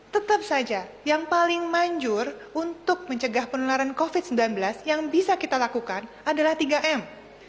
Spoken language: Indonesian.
tetap saja yang paling manjur untuk mencegah penularan covid sembilan belas yang bisa kita lakukan adalah tiga m